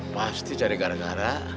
pasti jadi gara gara